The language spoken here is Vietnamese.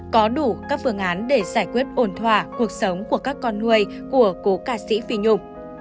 có đủ các phương án để giải quyết ồn thòa cuộc sống của các con nuôi của cô ca sĩ phi nhung